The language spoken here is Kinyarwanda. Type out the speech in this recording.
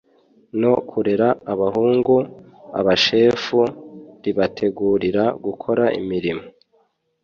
No kurera abahungu abashefu ribategurira gukora imirimo